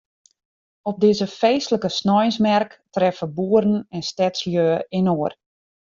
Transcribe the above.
Op dizze feestlike sneinsmerk treffe boeren en stedslju inoar.